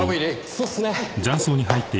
そうっすね。